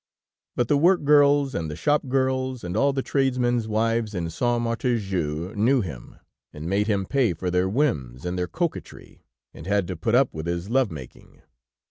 But the work girls and the shop girls and all the tradesmen's wives in Saint Martéjoux knew him, and made him pay for their whims and their coquetry, and had to put up with his love making.